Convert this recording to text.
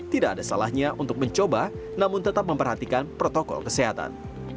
tidak ada salahnya untuk mencoba namun tetap memperhatikan protokol kesehatan